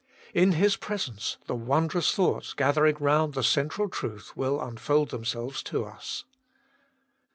In His presence the wondrous thoughts gathering round the central truth will unfold themselves to us.